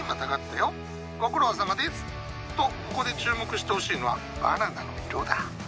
ご苦労さまです！とここで注目してほしいのはバナナの色だ。